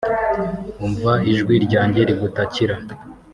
umva ijwi ryanjye rigutakira